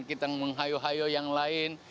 kita menghayuh hayuh yang lain